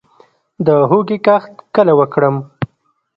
د هوږې کښت کله وکړم؟